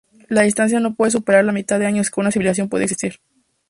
La distancia no puede superar la mitad de años que una civilización puede existir.